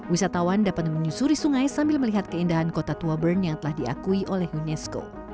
wisatawan dapat menyusuri sungai sambil melihat keindahan kota tua bern yang telah diakui oleh unesco